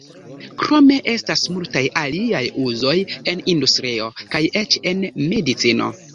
Krome estas multaj aliaj uzoj en industrio, kaj eĉ en medicino.